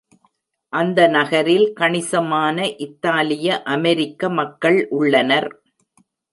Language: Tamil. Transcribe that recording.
அந்த நகரில் கணிசமான இத்தாலிய அமெரிக்க மக்கள் உள்ளனர்.